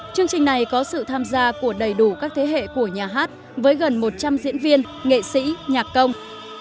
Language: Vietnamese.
chương trình này có sự tham gia của đầy đủ các thế hệ của nhà hát với gần một trăm linh diễn viên nghệ sĩ nhạc công